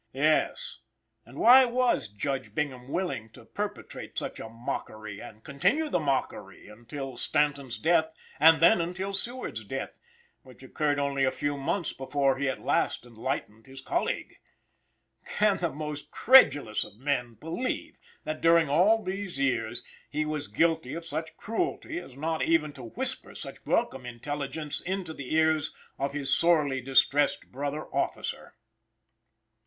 Yes; and why was Judge Bingham willing to perpetrate such a "mockery," and continue the "mockery" until Stanton's death, and then until Seward's death, which occurred only a few months before he at last enlightens his colleague? Can the most credulous of men believe that, during all these years, he was guilty of such cruelty as not even to whisper such welcome intelligence into the ears of his sorely distressed brother officer?